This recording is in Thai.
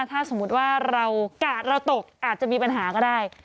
ถ้าสมมุติว่าเรากาดเราตกอาจจะมีปัญหาก็ได้